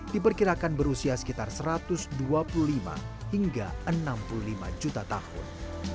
diperkirakan berusia sekitar satu ratus dua puluh lima hingga enam puluh lima juta tahun